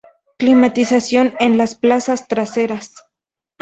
Climatización en las plazas traseras.